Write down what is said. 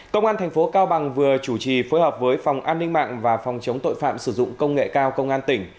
công an thành phố cao bằng vừa chủ trì phối hợp với phòng an ninh mạng và phòng chống tội phạm sử dụng công nghệ cao công an tỉnh